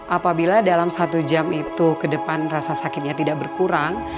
apabila dalam satu jam itu ke depan rasa sakitnya tidak berkurang